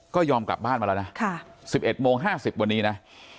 ก็ยอมกลับบ้านมาแล้วนะค่ะสิบเอ็ดโมงห้าสิบวันนี้นะ